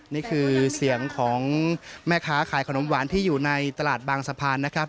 นี่คือเสียงของแม่ค้าขายขนมหวานที่อยู่ในตลาดบางสะพานนะครับ